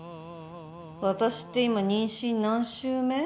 私って今妊娠何週目？